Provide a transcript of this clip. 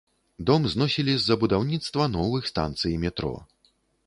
Дом зносілі з-за будаўніцтва новых станцый метро.